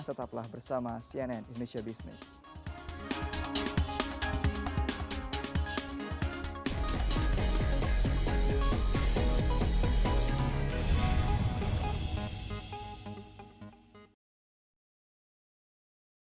tetaplah bersama cnn indonesia business